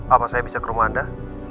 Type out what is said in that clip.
apa saya bisa ke rumah anda